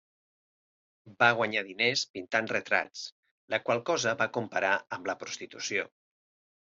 Va guanyar diners pintant retrats, la qual cosa va comparar amb la prostitució.